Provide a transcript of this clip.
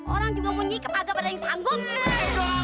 orang juga punya kemaga pada yang sanggup